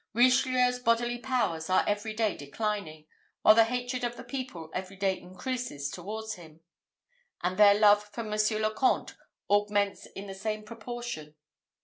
Richelieu's bodily powers are every day declining, while the hatred of the people every day increases towards him; and their love for Monsieur le Comte augments in the same proportion.